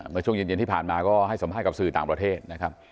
เมื่อช่วงเย็นที่ผ่านมาก็ให้สัมภาษณ์กับสื่อต่างประเทศนะครับ